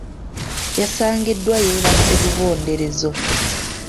Yasangiddwa yeebase lubonderezo.